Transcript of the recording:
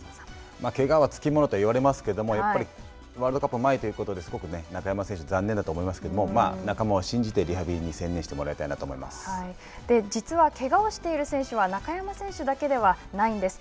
けがはつきものとは言われますけども、やっぱりワールドカップの前ということで、すごく中山選手、残念だと思いますけども、仲間を信じて、リハビリに専念してもらいた実はけがをしている選手は、中山選手だけではないんです。